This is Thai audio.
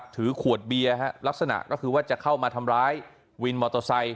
ถือขวดเบียร์ลักษณะก็คือว่าจะเข้ามาทำร้ายวินมอเตอร์ไซค